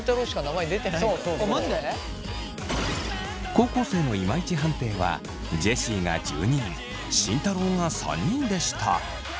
高校生のいまいち判定はジェシーが１２人慎太郎が３人でした。